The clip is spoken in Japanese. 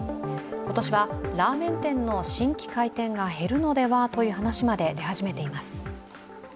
今年はラーメン店の新規開店が減るのではという話まで出始めています。